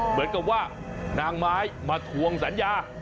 เหมือนกับว่านางไม้มาทวงสัญญา